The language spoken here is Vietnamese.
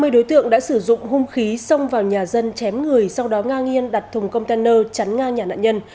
hai mươi đối tượng đã sử dụng hung khí xông vào nhà dân chém người sau đó ngang nhiên đặt thùng container chắn ngang nhà nạn nhân